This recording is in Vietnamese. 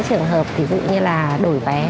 trường hợp dự như là đổi vé